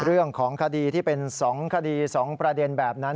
เรื่องของคดีที่เป็น๒คดี๒ประเด็นแบบนั้น